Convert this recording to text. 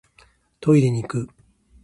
トイレいく